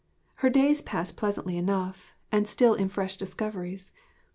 Her days passed pleasantly enough, and still in fresh discoveries.